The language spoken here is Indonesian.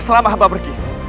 selama hamba pergi